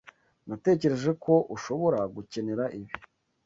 Natekereje ko ushobora gukenera ibi.